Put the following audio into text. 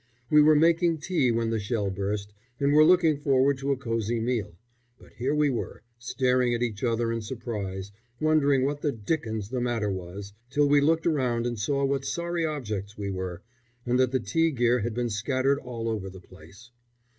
We were making tea when the shell burst, and were looking forward to a cosy meal; but here we were, staring at each other in surprise, wondering what the dickens the matter was, till we looked around and saw what sorry objects we were, and that the tea gear had been scattered all over the place.